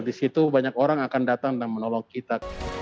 di situ banyak orang akan datang dan menolong kita